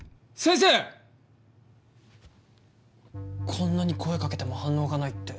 こんなに声かけても反応がないって。